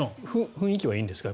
雰囲気はいいんですか？